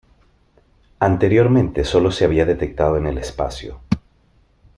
Anteriormente sólo se había detectado en el espacio.